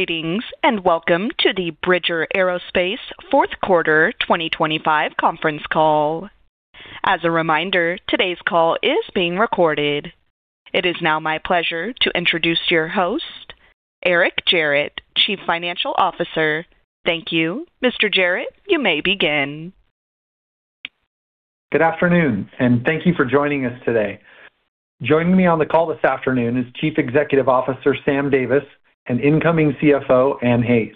Greetings, welcome to the Bridger Aerospace fourth quarter 2025 conference call. As a reminder, today's call is being recorded. It is now my pleasure to introduce your host, Eric Gerratt, Chief Financial Officer. Thank you. Mr. Gerratt, you may begin. Good afternoon, thank you for joining us today. Joining me on the call this afternoon is Chief Executive Officer, Sam Davis, and incoming CFO, Anne Hayes.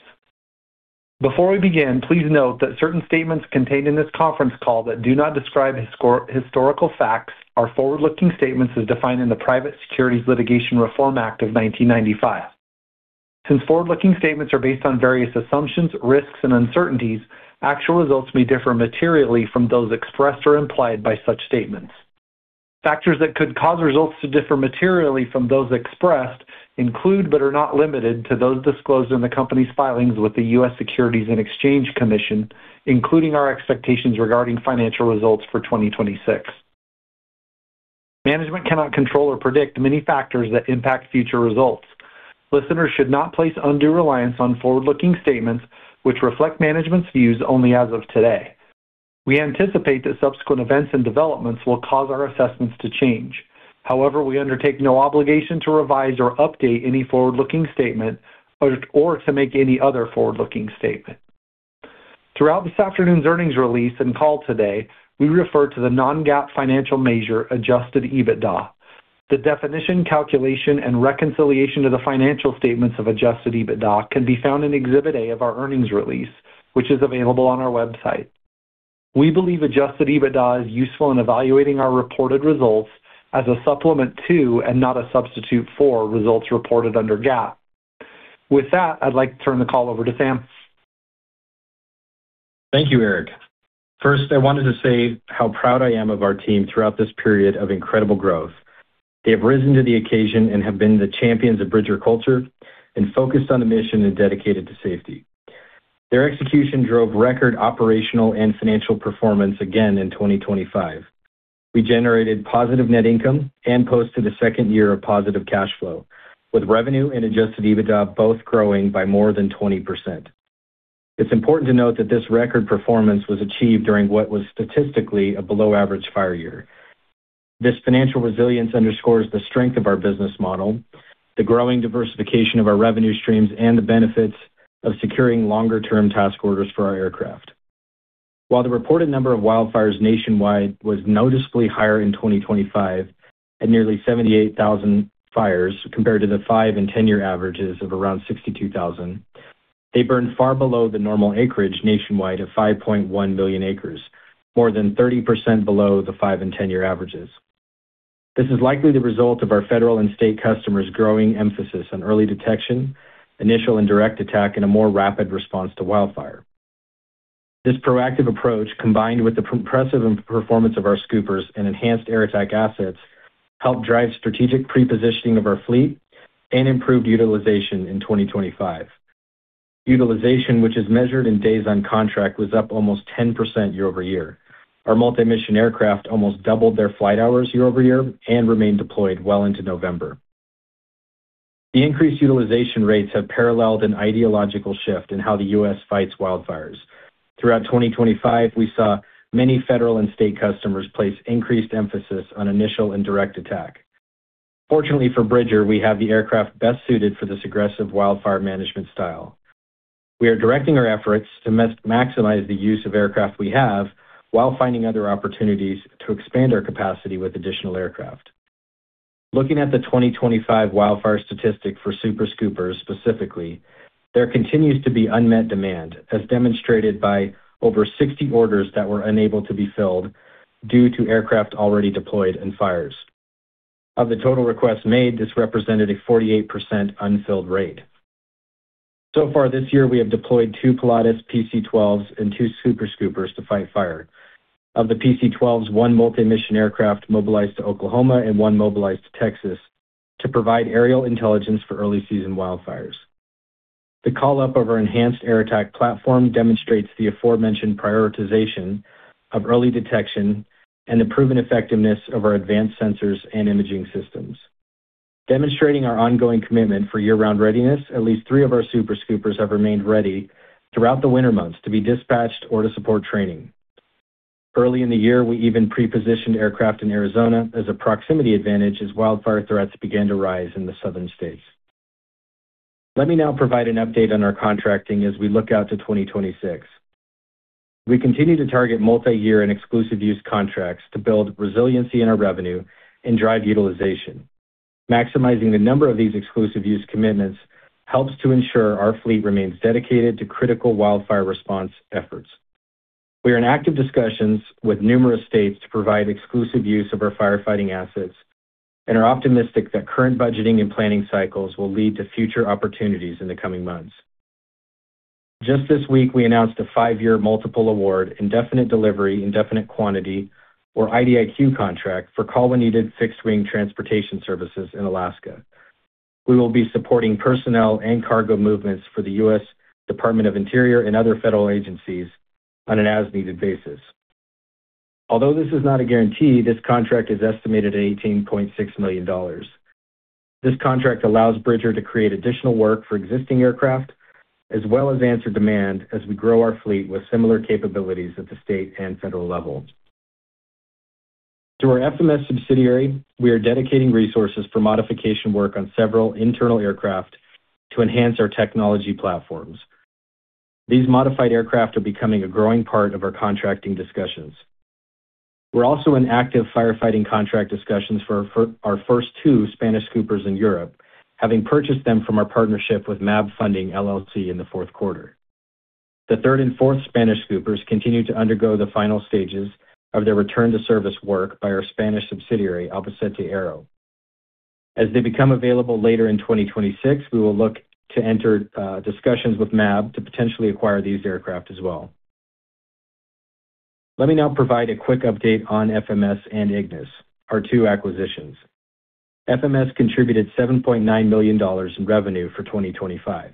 Before we begin, please note that certain statements contained in this conference call that do not describe historical facts are forward-looking statements as defined in the Private Securities Litigation Reform Act of 1995. Since forward-looking statements are based on various assumptions, risks, and uncertainties, actual results may differ materially from those expressed or implied by such statements. Factors that could cause results to differ materially from those expressed include, but are not limited to, those disclosed in the company's filings with the U.S. Securities and Exchange Commission, including our expectations regarding financial results for 2026. Management cannot control or predict many factors that impact future results. Listeners should not place undue reliance on forward-looking statements which reflect management's views only as of today. We anticipate that subsequent events and developments will cause our assessments to change. However, we undertake no obligation to revise or update any forward-looking statement or to make any other forward-looking statement. Throughout this afternoon's earnings release and call today, we refer to the non-GAAP financial measure adjusted EBITDA. The definition, calculation, and reconciliation of the financial statements of adjusted EBITDA can be found in Exhibit A of our earnings release, which is available on our website. We believe adjusted EBITDA is useful in evaluating our reported results as a supplement to, and not a substitute for, results reported under GAAP. With that, I'd like to turn the call over to Sam. Thank you, Eric. First, I wanted to say how proud I am of our team throughout this period of incredible growth. They have risen to the occasion and have been the champions of Bridger culture and focused on the mission and dedicated to safety. Their execution drove record operational and financial performance again in 2025. We generated positive net income and posted a second year of positive cash flow, with revenue and adjusted EBITDA both growing by more than 20%. It's important to note that this record performance was achieved during what was statistically a below average fire year. This financial resilience underscores the strength of our business model, the growing diversification of our revenue streams, and the benefits of securing longer-term task orders for our aircraft. While the reported number of wildfires nationwide was noticeably higher in 2025 at nearly 78,000 fires compared to the five and 10-year averages of around 62,000, they burned far below the normal acreage nationwide of 5.1 million acres, more than 30% below the five and 10-year averages. This is likely the result of our federal and state customers' growing emphasis on early detection, initial and direct attack, and a more rapid response to wildfire. This proactive approach, combined with the impressive performance of our Scoopers and enhanced Air Attack assets, helped drive strategic pre-positioning of our fleet and improved utilization in 2025. Utilization, which is measured in days on contract, was up almost 10% year-over-year. Our multi-mission aircraft almost doubled their flight hours year-over-year and remained deployed well into November. The increased utilization rates have paralleled an ideological shift in how the U.S. fights wildfires. Throughout 2025, we saw many federal and state customers place increased emphasis on initial and direct attack. Fortunately for Bridger, we have the aircraft best suited for this aggressive wildfire management style. We are directing our efforts to maximize the use of aircraft we have while finding other opportunities to expand our capacity with additional aircraft. Looking at the 2025 wildfire statistic for Super Scoopers specifically, there continues to be unmet demand as demonstrated by over 60 orders that were unable to be filled due to aircraft already deployed in fires. Of the total requests made, this represented a 48% unfilled rate. So far this year, we have deployed two Pilatus PC-12s and two Super Scoopers to fight fire. Of the PC-12s, one multi-mission aircraft mobilized to Oklahoma and one mobilized to Texas to provide aerial intelligence for early season wildfires. The call-up of our enhanced Air Attack platform demonstrates the aforementioned prioritization of early detection and the proven effectiveness of our advanced sensors and imaging systems. Demonstrating our ongoing commitment for year-round readiness, at least three of our Super Scoopers have remained ready throughout the winter months to be dispatched or to support training. Early in the year, we even pre-positioned aircraft in Arizona as a proximity advantage as wildfire threats began to rise in the southern states. Let me now provide an update on our contracting as we look out to 2026. We continue to target multi-year and exclusive use contracts to build resiliency in our revenue and drive utilization. Maximizing the number of these exclusive use commitments helps to ensure our fleet remains dedicated to critical wildfire response efforts. We are in active discussions with numerous states to provide exclusive use of our firefighting assets and are optimistic that current budgeting and planning cycles will lead to future opportunities in the coming months. Just this week, we announced a five-year multiple award indefinite delivery, indefinite quantity, or IDIQ contract for call when needed fixed-wing transportation services in Alaska. We will be supporting personnel and cargo movements for the U.S. Department of the Interior and other federal agencies on an as-needed basis. Although this is not a guarantee, this contract is estimated at $18.6 million. This contract allows Bridger to create additional work for existing aircraft as well as answer demand as we grow our fleet with similar capabilities at the state and federal level. Through our FMS subsidiary, we are dedicating resources for modification work on several internal aircraft to enhance our technology platforms. These modified aircraft are becoming a growing part of our contracting discussions. We're also in active firefighting contract discussions for our first two Spanish Scoopers in Europe, having purchased them from our partnership with MAB Funding, LLC in the fourth quarter. The third and fourth Spanish Scoopers continue to undergo the final stages of their return to service work by our Spanish subsidiary, Albacete Aero. As they become available later in 2026, we will look to enter discussions with MAB to potentially acquire these aircraft as well. Let me now provide a quick update on FMS and Ignis, our two acquisitions. FMS contributed $7.9 million in revenue for 2025.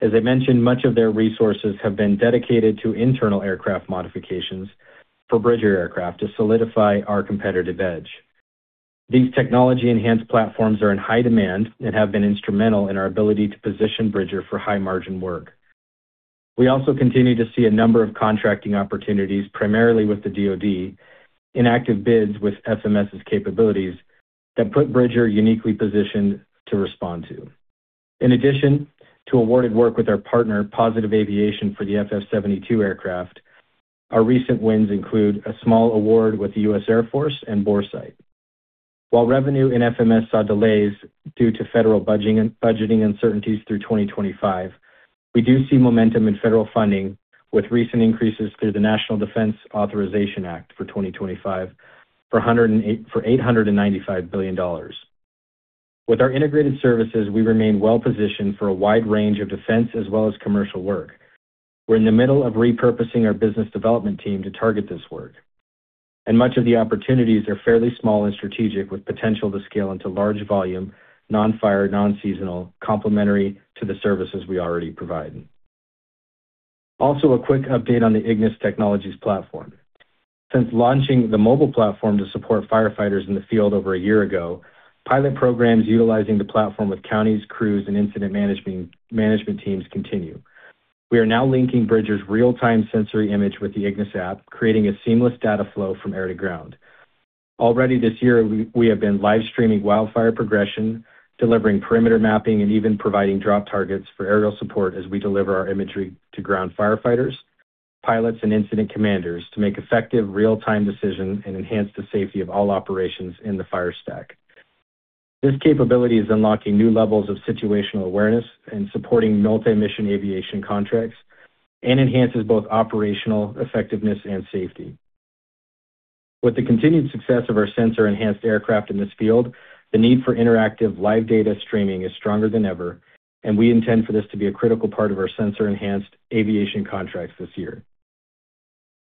As I mentioned, much of their resources have been dedicated to internal aircraft modifications for Bridger aircraft to solidify our competitive edge. These technology-enhanced platforms are in high demand and have been instrumental in our ability to position Bridger for high-margin work. We also continue to see a number of contracting opportunities, primarily with the DoD, in active bids with FMS's capabilities that put Bridger uniquely positioned to respond to. In addition to awarded work with our partner, Positive Aviation, for the FF72 aircraft, our recent wins include a small award with the U.S. Air Force and Boresight. While revenue in FMS saw delays due to federal budgeting uncertainties through 2025, we do see momentum in federal funding with recent increases through the National Defense Authorization Act for 2025 for $895 billion. With our integrated services, we remain well-positioned for a wide range of defense as well as commercial work. We're in the middle of repurposing our business development team to target this work. Much of the opportunities are fairly small and strategic with potential to scale into large volume, non-fire, non-seasonal, complementary to the services we already provide. A quick update on the Ignis Technologies platform. Since launching the mobile platform to support firefighters in the field over a year ago, pilot programs utilizing the platform with counties, crews, and incident management teams continue. We are now linking Bridger's real-time sensory image with the Ignis app, creating a seamless data flow from air to ground. Already this year, we have been live streaming wildfire progression, delivering perimeter mapping, and even providing drop targets for aerial support as we deliver our imagery to ground firefighters, pilots, and incident commanders to make effective real-time decisions and enhance the safety of all operations in the fire stack. This capability is unlocking new levels of situational awareness and supporting multi-mission aviation contracts and enhances both operational effectiveness and safety. With the continued success of our sensor-enhanced aircraft in this field, the need for interactive live data streaming is stronger than ever. We intend for this to be a critical part of our sensor-enhanced aviation contracts this year.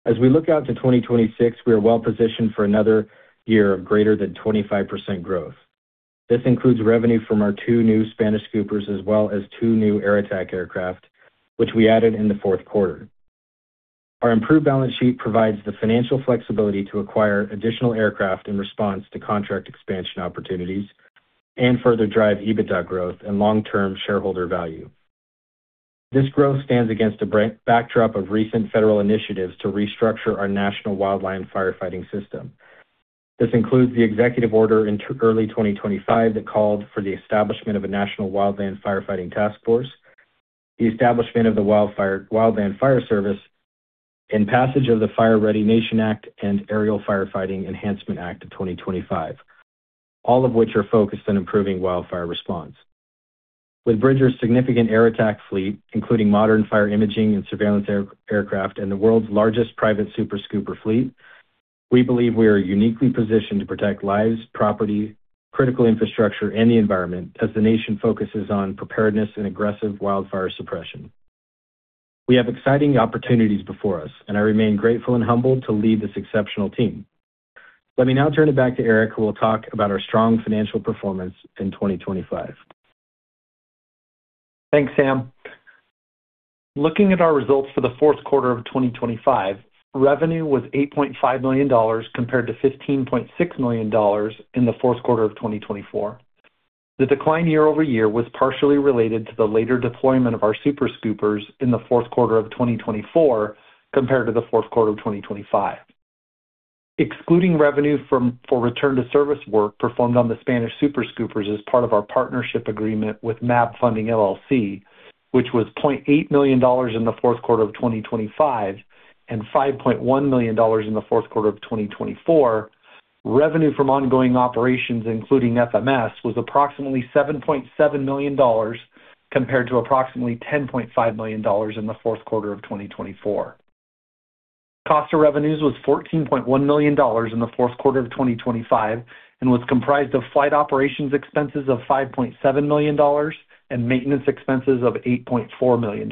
As we look out to 2026, we are well positioned for another year of greater than 25% growth. This includes revenue from our two new Spanish Scoopers as well as two new Air Attack aircraft, which we added in the fourth quarter. Our improved balance sheet provides the financial flexibility to acquire additional aircraft in response to contract expansion opportunities and further drive EBITDA growth and long-term shareholder value. This growth stands against a backdrop of recent federal initiatives to restructure our national wildland firefighting system. This includes the executive order in early 2025 that called for the establishment of a National Wildland Firefighting Task Force, the establishment of the Wildland Fire Service, and passage of the Fire Ready Nation Act and Aerial Firefighting Enhancement Act of 2025, all of which are focused on improving wildfire response. With Bridger's significant Air Attack fleet, including modern fire imaging and surveillance aircraft and the world's largest private Super Scooper fleet, we believe we are uniquely positioned to protect lives, property, critical infrastructure, and the environment as the nation focuses on preparedness and aggressive wildfire suppression. I remain grateful and humbled to lead this exceptional team. Let me now turn it back to Eric, who will talk about our strong financial performance in 2025. Thanks, Sam. Looking at our results for the fourth quarter of 2025, revenue was $8.5 million compared to $15.6 million in the fourth quarter of 2024. The decline year-over-year was partially related to the later deployment of our Super Scoopers in the fourth quarter of 2024 compared to the fourth quarter of 2025. Excluding revenue for return to service work performed on the Spanish Super Scoopers as part of our partnership agreement with MAB Funding, LLC, which was $0.8 million in the fourth quarter of 2025 and $5.1 million in the fourth quarter of 2024, revenue from ongoing operations, including FMS, was approximately $7.7 million compared to approximately $10.5 million in the fourth quarter of 2024. Cost of revenues was $14.1 million in the fourth quarter of 2025 and was comprised of flight operations expenses of $5.7 million and maintenance expenses of $8.4 million.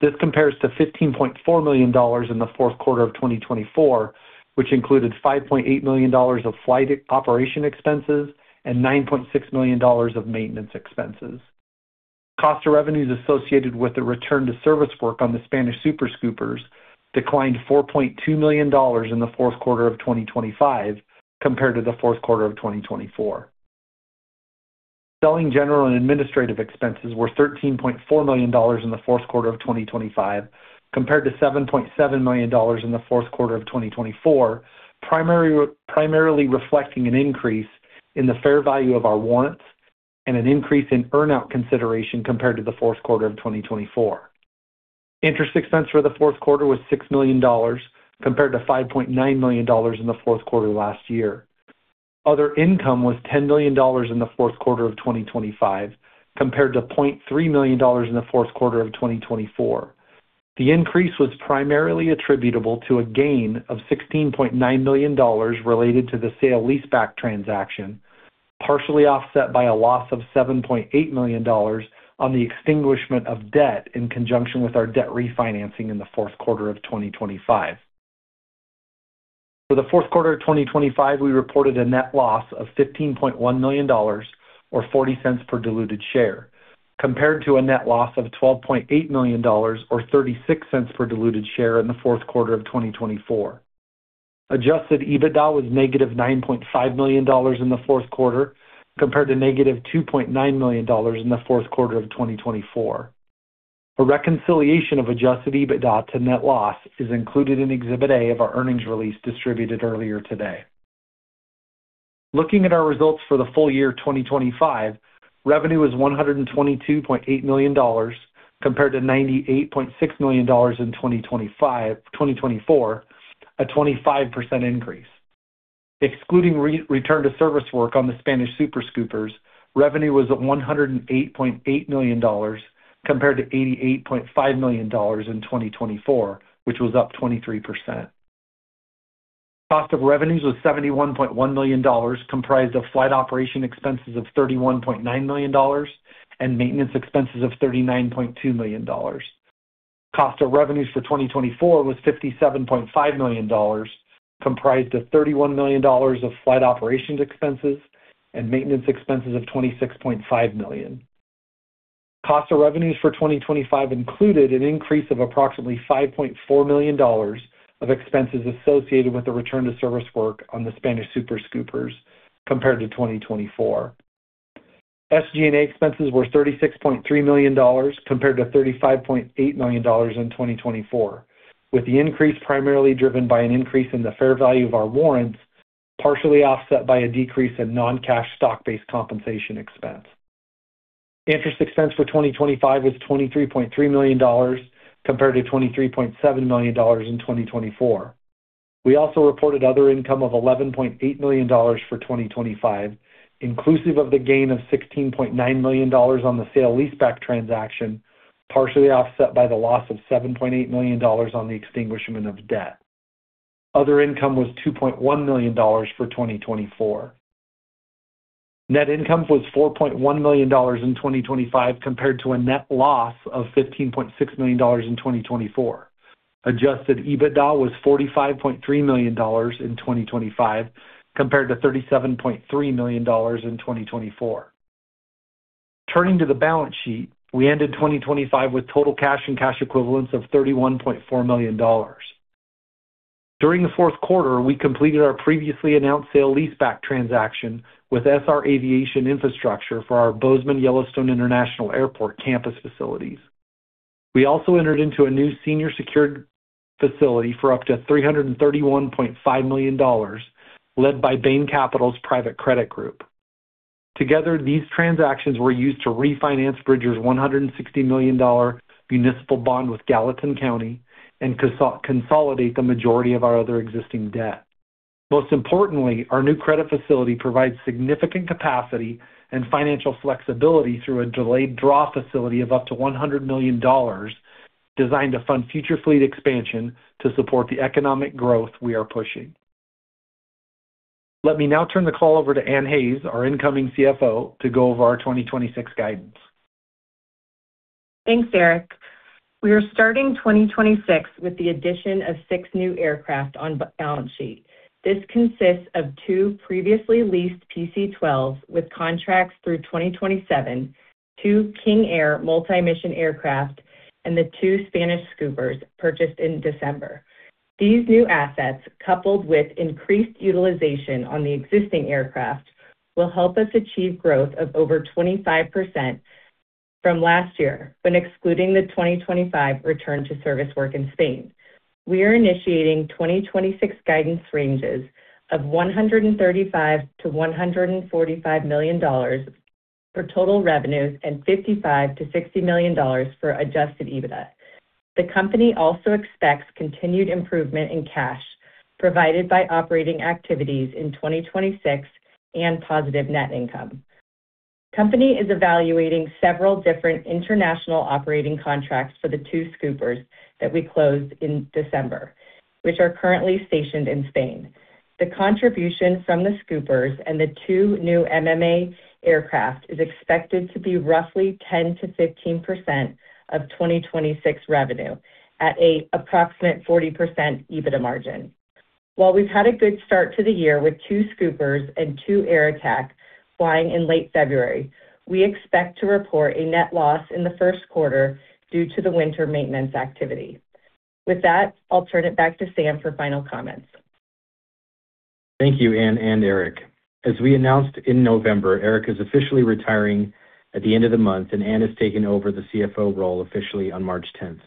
This compares to $15.4 million in the fourth quarter of 2024, which included $5.8 million of flight operations expenses and $9.6 million of maintenance expenses. Cost of revenues associated with the return to service work on the Spanish Super Scoopers declined $4.2 million in the fourth quarter of 2025 compared to the fourth quarter of 2024. Selling, general, and administrative expenses were $13.4 million in the fourth quarter of 2025 compared to $7.7 million in the fourth quarter of 2024, primarily reflecting an increase in the fair value of our warrants and an increase in earn-out consideration compared to the fourth quarter of 2024. Interest expense for the fourth quarter was $6 million compared to $5.9 million in the fourth quarter last year. Other income was $10 million in the fourth quarter of 2025 compared to $0.3 million in the fourth quarter of 2024. The increase was primarily attributable to a gain of $16.9 million related to the sale-leaseback transaction, partially offset by a loss of $7.8 million on the extinguishment of debt in conjunction with our debt refinancing in the fourth quarter of 2025. For the fourth quarter of 2025, we reported a net loss of $15.1 million or $0.40 per diluted share, compared to a net loss of $12.8 million or $0.36 per diluted share in the fourth quarter of 2024. Adjusted EBITDA was negative $9.5 million in the fourth quarter compared to negative $2.9 million in the fourth quarter of 2024. A reconciliation of Adjusted EBITDA to net loss is included in Exhibit A of our earnings release distributed earlier today. Looking at our results for the full year 2025, revenue was $122.8 million compared to $98.6 million in 2024, a 25% increase. Excluding return to service work on the Spanish Super Scoopers, revenue was at $108.8 million compared to $88.5 million in 2024, which was up 23%. Cost of revenues was $71.1 million, comprised of flight operation expenses of $31.9 million and maintenance expenses of $39.2 million. Cost of revenues for 2024 was $57.5 million, comprised of $31 million of flight operations expenses and maintenance expenses of $26.5 million. Cost of revenues for 2025 included an increase of approximately $5.4 million of expenses associated with the return to service work on the Spanish Super Scoopers compared to 2024. SG&A expenses were $36.3 million compared to $35.8 million in 2024, with the increase primarily driven by an increase in the fair value of our warrants, partially offset by a decrease in non-cash stock-based compensation expense. Interest expense for 2025 was $23.3 million compared to $23.7 million in 2024. We also reported other income of $11.8 million for 2025, inclusive of the gain of $16.9 million on the sale-leaseback transaction, partially offset by the loss of $7.8 million on the extinguishment of debt. Other income was $2.1 million for 2024. Net income was $4.1 million in 2025 compared to a net loss of $15.6 million in 2024. adjusted EBITDA was $45.3 million in 2025 compared to $37.3 million in 2024. Turning to the balance sheet, we ended 2025 with total cash and cash equivalents of $31.4 million. During the fourth quarter, we completed our previously announced sale-leaseback transaction with SR Aviation Infrastructure for our Bozeman Yellowstone International Airport campus facilities. We also entered into a new senior secured facility for up to $331.5 million led by Bain Capital's Private Credit Group. Together, these transactions were used to refinance Bridger's $160 million municipal bond with Gallatin County and consolidate the majority of our other existing debt. Most importantly, our new credit facility provides significant capacity and financial flexibility through a delayed draw facility of up to $100 million designed to fund future fleet expansion to support the economic growth we are pushing. Let me now turn the call over to Anne Hayes, our incoming CFO, to go over our 2026 guidance. Thanks, Eric. We are starting 2026 with the addition of six new aircraft on balance sheet. This consists of two previously leased PC-12s with contracts through 2027, two King Air multi-mission aircraft, and the two Spanish Scoopers purchased in December. These new assets, coupled with increased utilization on the existing aircraft, will help us achieve growth of over 25% from last year when excluding the 2025 return to service work in Spain. We are initiating 2026 guidance ranges of $135 million-$145 million for total revenues and $55 million-$60 million for adjusted EBITDA. The company also expects continued improvement in cash provided by operating activities in 2026 and positive net income. Company is evaluating several different international operating contracts for the two Scoopers that we closed in December, which are currently stationed in Spain. The contribution from the Scoopers and the two new MMA aircraft is expected to be roughly 10%-15% of 2026 revenue at an approximate 40% EBITDA margin. While we've had a good start to the year with two Scoopers and two Air Attack flying in late February, we expect to report a net loss in the first quarter due to the winter maintenance activity. With that, I'll turn it back to Sam for final comments. Thank you, Anne and Eric. As we announced in November, Eric is officially retiring at the end of the month. Anne has taken over the CFO role officially on March tenth.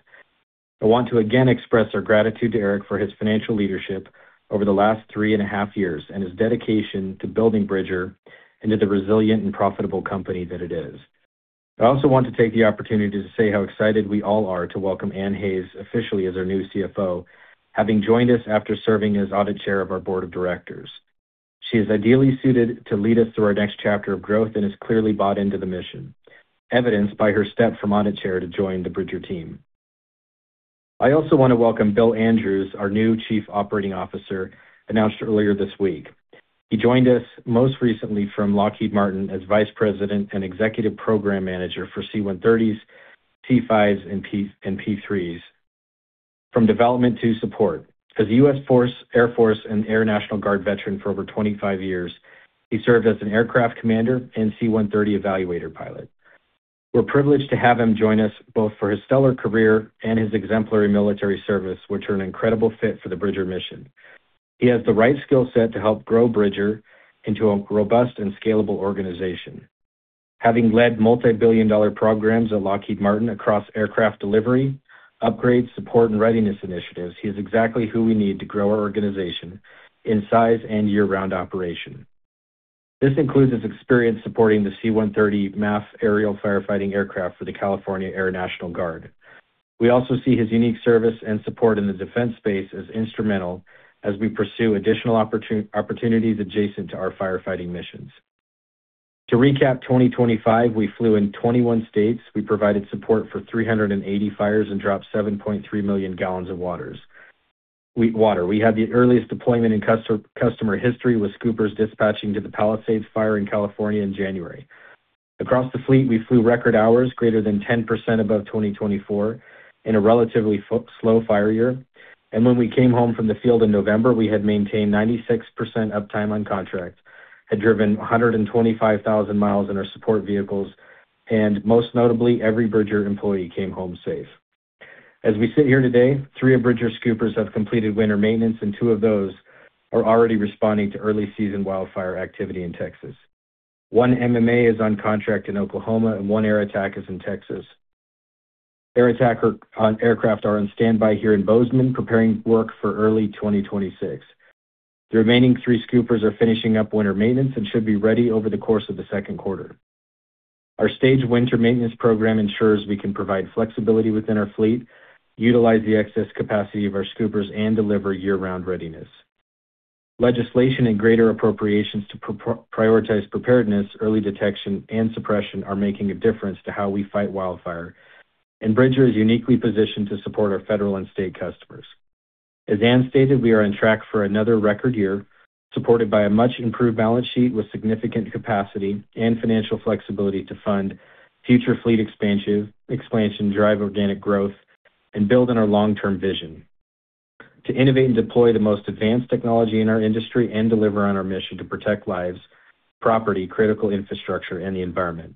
I want to again express our gratitude to Eric for his financial leadership over the last three and a half years and his dedication to building Bridger into the resilient and profitable company that it is. I also want to take the opportunity to say how excited we all are to welcome Anne Hayes officially as our new CFO, having joined us after serving as audit chair of our board of directors. She is ideally suited to lead us through our next chapter of growth and has clearly bought into the mission, evidenced by her step from audit chair to join the Bridger team. I also want to welcome Bill Andrews, our new Chief Operating Officer, announced earlier this week. He joined us most recently from Lockheed Martin as Vice President and Executive Program Manager for C-130s, C-5s, and P-3s from development to support. As a U.S. Air Force and Air National Guard veteran for over 25 years, he served as an aircraft commander and C-130 evaluator pilot. We're privileged to have him join us both for his stellar career and his exemplary military service, which are an incredible fit for the Bridger mission. He has the right skill set to help grow Bridger into a robust and scalable organization. Having led multi-billion dollar programs at Lockheed Martin across aircraft delivery, upgrade, support, and readiness initiatives, he is exactly who we need to grow our organization in size and year-round operation. This includes his experience supporting the C-130 MAFF aerial firefighting aircraft for the California Air National Guard. We also see his unique service and support in the defense space as instrumental as we pursue additional opportunities adjacent to our firefighting missions. To recap, 2025, we flew in 21 states. We provided support for 380 fires and dropped 7.3 million gallons of water. We had the earliest deployment in customer history with Scoopers dispatching to the Palisades fire in California in January. Across the fleet, we flew record hours greater than 10% above 2024 in a relatively slow fire year. When we came home from the field in November, we had maintained 96% uptime on contract, had driven 125,000 miles in our support vehicles, and most notably, every Bridger employee came home safe. As we sit here today, three of Bridger Scoopers have completed winter maintenance, and two of those are already responding to early-season wildfire activity in Texas. One MMA is on contract in Oklahoma, and one Air Attack is in Texas. Air Attack aircraft are on standby here in Bozeman, preparing work for early 2026. The remaining three Scoopers are finishing up winter maintenance and should be ready over the course of the second quarter. Our staged winter maintenance program ensures we can provide flexibility within our fleet, utilize the excess capacity of our Scoopers, and deliver year-round readiness. Legislation and greater appropriations to prioritize preparedness, early detection, and suppression are making a difference to how we fight wildfire, and Bridger is uniquely positioned to support our federal and state customers. As Anne stated, we are on track for another record year, supported by a much-improved balance sheet with significant capacity and financial flexibility to fund future fleet expansion, drive organic growth, and build on our long-term vision to innovate and deploy the most advanced technology in our industry and deliver on our mission to protect lives, property, critical infrastructure, and the environment.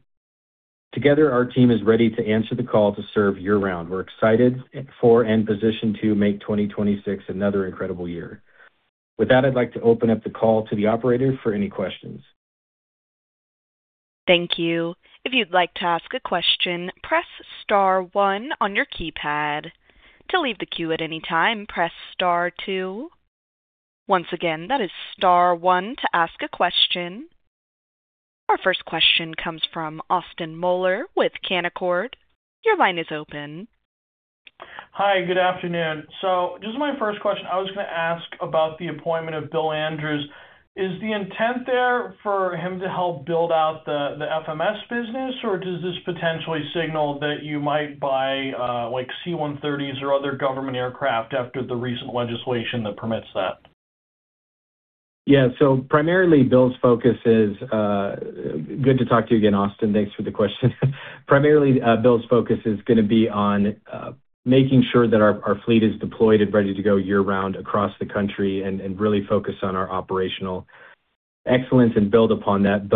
Together, our team is ready to answer the call to serve year-round. We're excited for and positioned to make 2026 another incredible year. With that, I'd like to open up the call to the operator for any questions. Thank you. If you'd like to ask a question, press star one on your keypad. To leave the queue at any time, press star two. Once again, that is star one to ask a question. Our first question comes from Austin Moeller with Canaccord. Your line is open. Hi, good afternoon. Just my first question, I was gonna ask about the appointment of Bill Andrews. Is the intent there for him to help build out the FMS business, or does this potentially signal that you might buy, like C-130s or other government aircraft after the recent legislation that permits that? Yeah. Primarily, Bill's focus is. Good to talk to you again, Austin. Thanks for the question. Primarily, Bill's focus is gonna be on making sure that our fleet is deployed and ready to go year-round across the country and really focus on our operational excellence and build upon that.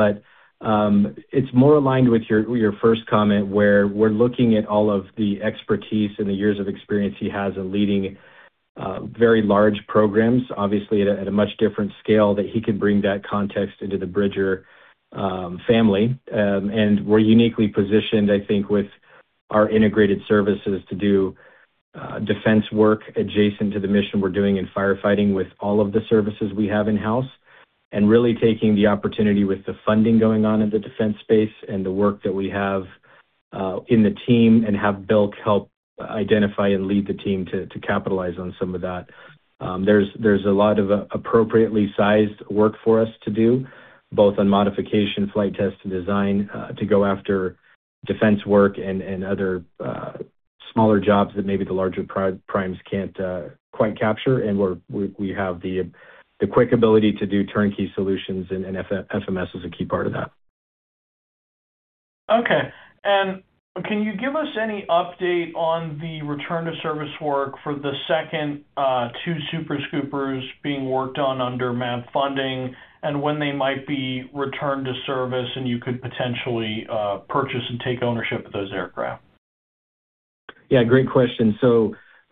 It's more aligned with your first comment, where we're looking at all of the expertise and the years of experience he has in leading very large programs, obviously at a much different scale, that he can bring that context into the Bridger family. We're uniquely positioned, I think, with our integrated services to do defense work adjacent to the mission we're doing in firefighting with all of the services we have in-house. Really taking the opportunity with the funding going on in the defense space and the work that we have in the team and have Bill help identify and lead the team to capitalize on some of that. There's a lot of appropriately sized work for us to do, both on modification, flight test, and design to go after defense work and other smaller jobs that maybe the larger primes can't quite capture. We have the quick ability to do turnkey solutions, and FMS is a key part of that. Okay. Can you give us any update on the return to service work for the second, two Super Scoopers being worked on under MAB Funding and when they might be returned to service and you could potentially purchase and take ownership of those aircraft? Yeah, great question.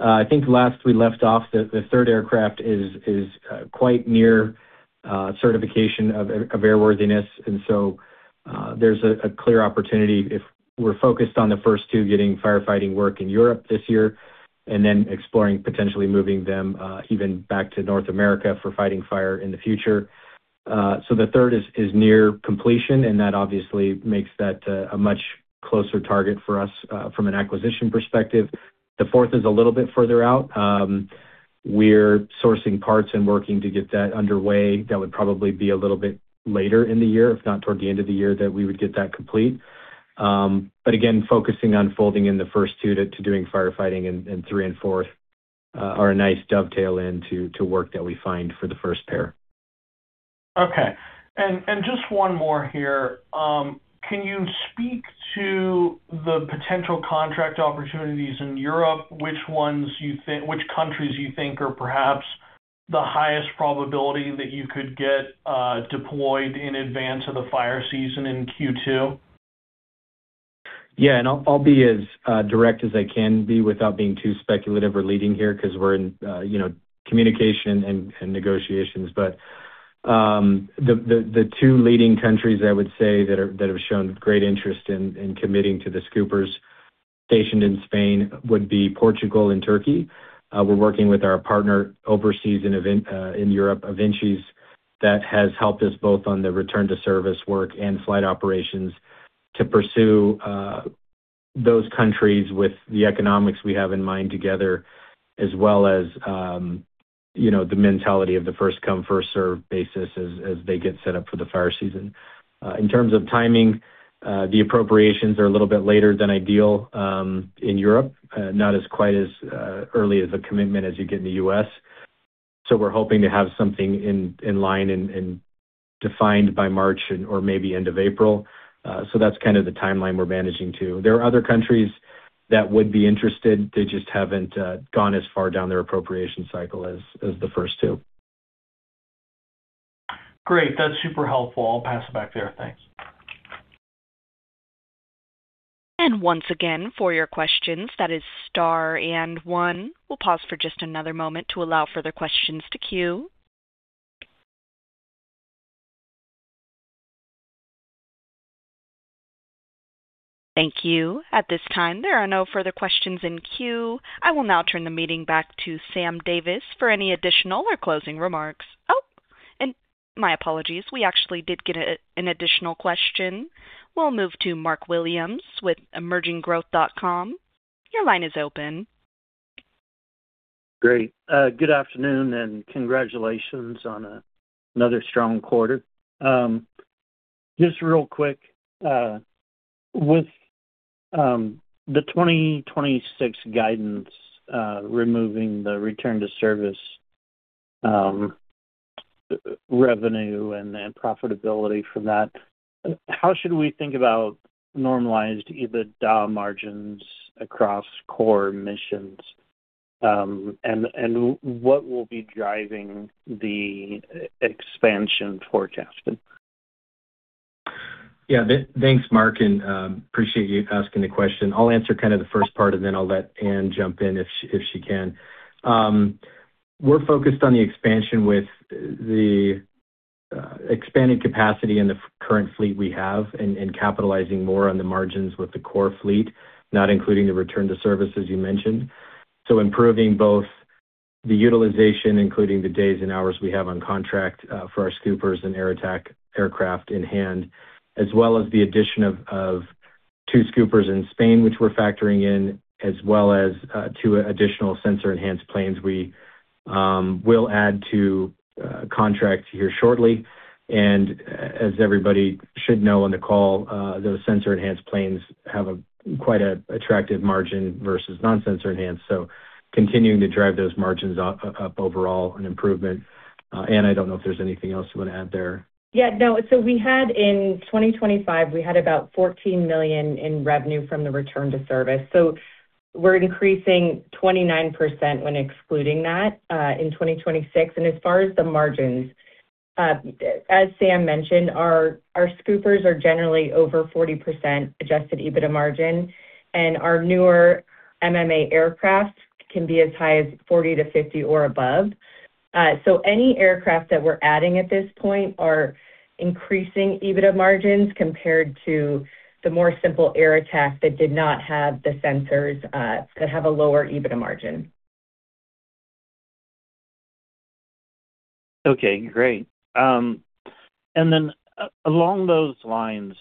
I think last we left off, the third aircraft is quite near certification of airworthiness. There's a clear opportunity if we're focused on the first two getting firefighting work in Europe this year and then exploring potentially moving them even back to North America for fighting fire in the future. The third is near completion, and that obviously makes that a much closer target for us from an acquisition perspective. The fourth is a little bit further out. We're sourcing parts and working to get that underway. That would probably be a little bit later in the year, if not toward the end of the year that we would get that complete. Again, focusing on folding in the first two to doing firefighting and three and fourth, are a nice dovetail into to work that we find for the first pair. Okay. Just one more here. Can you speak to the potential contract opportunities in Europe? Which countries you think are perhaps the highest probability that you could get deployed in advance of the fire season in Q2? Yeah. I'll be as direct as I can be without being too speculative or leading here 'cause we're in, you know, communication and negotiations. The two leading countries I would say that have shown great interest in committing to the Scoopers stationed in Spain would be Portugal and Turkey. We're working with our partner overseas in Europe, Avincis, that has helped us both on the return to service work and flight operations to pursue those countries with the economics we have in mind together, as well as, you know, the mentality of the first come, first serve basis as they get set up for the fire season. In terms of timing, the appropriations are a little bit later than ideal in Europe, not as quite as early as a commitment as you get in the U.S. We're hoping to have something in line and defined by March and/or maybe end of April. That's kind of the timeline we're managing to. There are other countries that would be interested. They just haven't gone as far down their appropriation cycle as the first two. Great. That's super helpful. I'll pass it back there. Thanks. Once again, for your questions, that is star and one. We'll pause for just another moment to allow further questions to queue. Thank you. At this time, there are no further questions in queue. I will now turn the meeting back to Sam Davis for any additional or closing remarks. My apologies. We actually did get an additional question. We'll move to Mark Williams with EmergingGrowth.com. Your line is open. Great. Good afternoon and congratulations on another strong quarter. Just real quick, with the 2026 guidance, removing the return to service, revenue and profitability from that, how should we think about normalized adjusted EBITDA margins across core missions? What will be driving the expansion forecasting? Thanks, Mark. I appreciate you asking the question. I'll answer kind of the first part. Then I'll let Anne jump in if she can. We're focused on the expansion with the expanding capacity in the current fleet we have and capitalizing more on the margins with the core fleet, not including the return to service, as you mentioned. Improving both the utilization, including the days and hours we have on contract, for our Scoopers and Air Attack aircraft in hand, as well as the addition of two Scoopers in Spain, which we're factoring in, as well as two additional sensor-enhanced planes we will add to contract here shortly. As everybody should know on the call, those sensor-enhanced planes have a quite a attractive margin versus non-sensor enhanced. Continuing to drive those margins up overall, an improvement. Anne, I don't know if there's anything else you want to add there. Yeah, no. We had in 2025, we had about $14 million in revenue from the return to service. We're increasing 29% when excluding that, in 2026. As far as the margins, as Sam mentioned, our Scoopers are generally over 40% adjusted EBITDA margin, and our newer MMA aircraft can be as high as 40%-50% or above. Any aircraft that we're adding at this point are increasing EBITDA margins compared to the more simple Air Attack that did not have the sensors that have a lower EBITDA margin. Okay, great. Along those lines,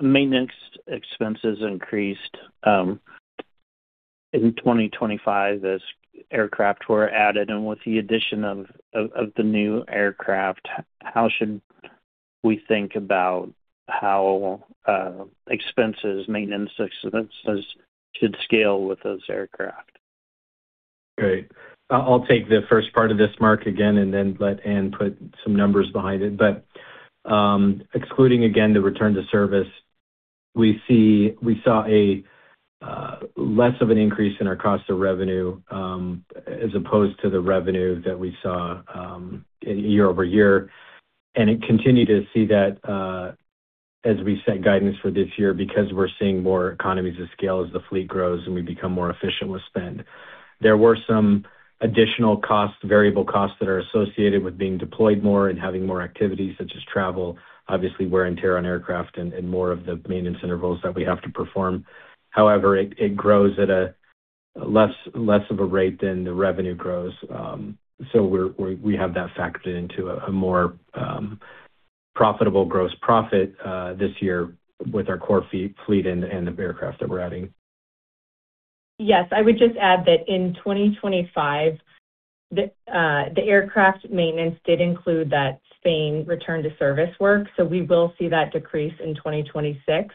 maintenance expenses increased in 2025 as aircraft were added. With the addition of the new aircraft, how should we think about how expenses, maintenance expenses should scale with those aircraft? Great. I'll take the first part of this, Mark, again, and then let Anne put some numbers behind it. Excluding again the return to service, we saw a less of an increase in our cost of revenue as opposed to the revenue that we saw year-over-year. It continued to see that as we set guidance for this year because we're seeing more economies of scale as the fleet grows and we become more efficient with spend. There were some additional costs, variable costs that are associated with being deployed more and having more activities such as travel, obviously wear and tear on aircraft and more of the maintenance intervals that we have to perform. However, it grows at a less of a rate than the revenue grows. We have that factored into a more profitable gross profit this year with our core fee-fleet and the aircraft that we're adding. Yes. I would just add that in 2025, the aircraft maintenance did include that Spain return to service work, so we will see that decrease in 2026.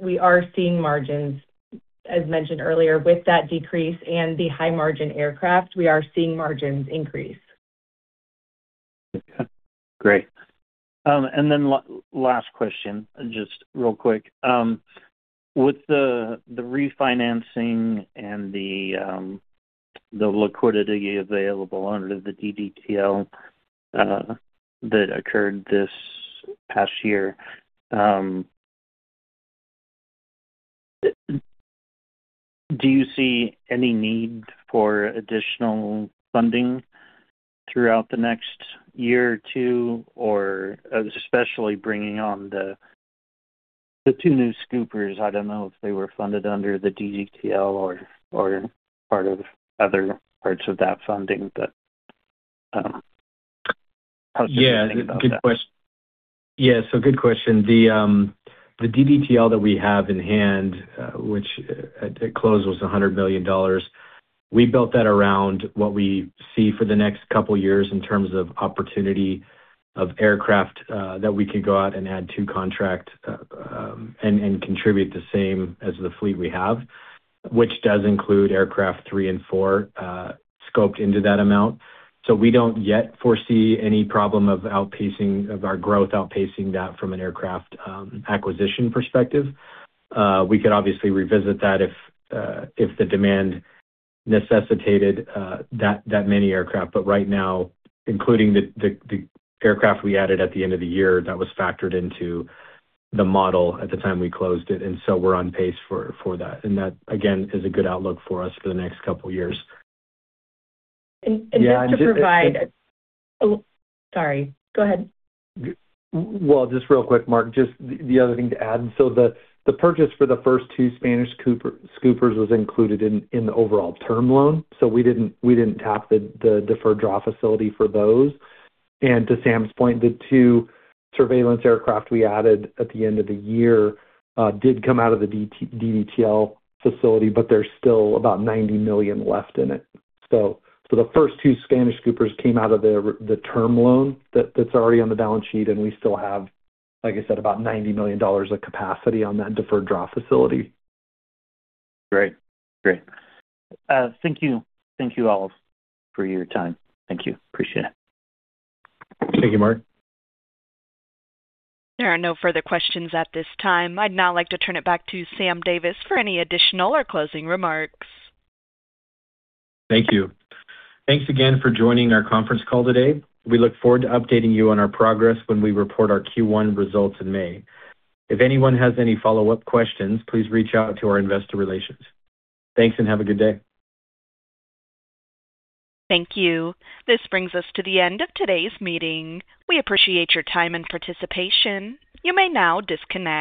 We are seeing margins, as mentioned earlier, with that decrease and the high-margin aircraft, we are seeing margins increase. Okay, great. Last question, just real quick. With the refinancing and the liquidity available under the DDTL, that occurred this past year, do you see any need for additional funding throughout the next year or two, or especially bringing on the two new Scoopers? I don't know if they were funded under the DDTL or part of other parts of that funding, how should we think about that? Good question. The DDTL that we have in hand, which at close was $100 million, we built that around what we see for the next couple years in terms of opportunity of aircraft that we could go out and add to contract and contribute the same as the fleet we have. Which does include aircraft three and four scoped into that amount. We don't yet foresee any problem of outpacing our growth outpacing that from an aircraft acquisition perspective. We could obviously revisit that if the demand necessitated that many aircraft. Right now, including the aircraft we added at the end of the year, that was factored into the model at the time we closed it. We're on pace for that. That, again, is a good outlook for us for the next couple years. just to provide. Oh, sorry. Go ahead. Just real quick, Mark, just the other thing to add. The purchase for the first two Spanish Scoopers was included in the overall term loan, so we didn't tap the deferred draw facility for those. To Sam's point, the two surveillance aircraft we added at the end of the year did come out of the DDTL facility, but there's still about $90 million left in it. The first two Spanish Scoopers came out of the term loan that's already on the balance sheet, and we still have, like I said, about $90 million of capacity on that deferred draw facility. Great. Great. Thank you. Thank you all for your time. Thank you. Appreciate it. Thank you, Mark. There are no further questions at this time. I'd now like to turn it back to Sam Davis for any additional or closing remarks. Thank you. Thanks again for joining our conference call today. We look forward to updating you on our progress when we report our Q1 results in May. If anyone has any follow-up questions, please reach out to our investor relations. Thanks, and have a good day. Thank you. This brings us to the end of today's meeting. We appreciate your time and participation. You may now disconnect.